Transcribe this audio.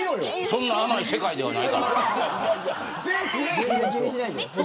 そんな甘い世界ではないから。